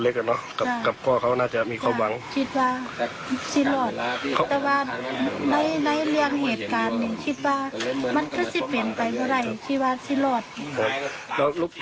ยานเข้าในภพแขนที่ยาวประโยชน์คือการขอสรรค์นี้